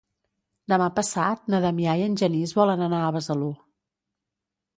Demà passat na Damià i en Genís volen anar a Besalú.